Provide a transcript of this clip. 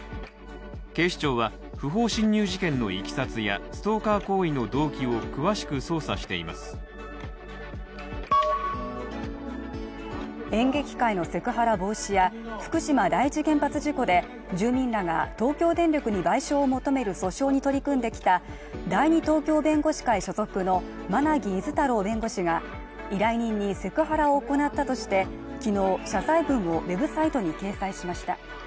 警視庁は、不法侵入事件のいきさつやストーカー行為の動機を詳しく捜査しています演劇界のセクハラ防止や福島第一原発事故で住民らが東京電力に賠償を求める訴訟に取り組んできた第二東京弁護士会所属の馬奈木厳太郎弁護士が依頼人にセクハラを行ったとして昨日、謝罪文をウェブサイトに掲載しました。